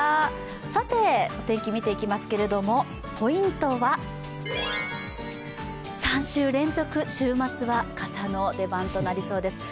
さて天気、見ていきますけれど、ポイントは３週連続、週末は傘の出番となりそうです。